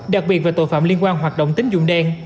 đặc biệt về tội phạm liên quan hoạt động tính dụng đen